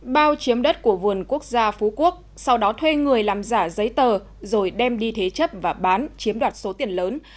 bao chiếm đất của vườn quốc gia phú quốc sau đó thuê người làm giả giấy tờ rồi đem đi thế chấp và bán chiếm đoạt số tiền lớn